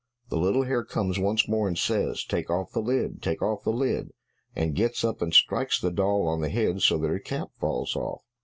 The little hare comes once more and says, "Take off the lid, take off the lid," and gets up, and strikes the doll on the head so that her cap falls off.